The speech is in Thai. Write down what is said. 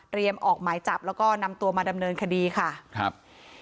ออกหมายจับแล้วก็นำตัวมาดำเนินคดีค่ะครับ